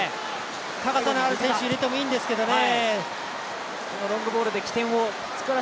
高さのある選手入れてもいいんですけどね。